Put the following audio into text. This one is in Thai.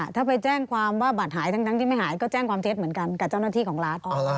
ถ้าไปแจ้งความว่าบัตรหายทั้งที่ไม่หายก็แจ้งความเท็จเหมือนกันกับเจ้าหน้าที่ของรัฐ